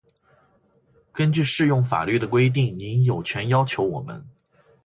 根据适用法律的规定，您有权要求我们：